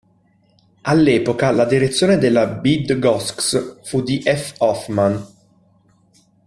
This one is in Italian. All'epoca la direzione della Bydgoszcz fu di F. Hoffman.